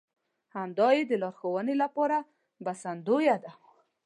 همدا يې د لارښوونې لپاره بسندويه ده.